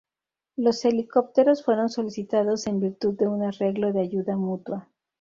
Los helicópteros fueron solicitados en virtud de un arreglo de ayuda mutua.